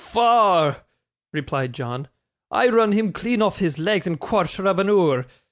'Far!' replied John; 'I run him clean off his legs in quarther of an hoor.